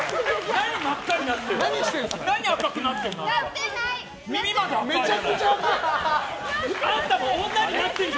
何真っ赤になってるの！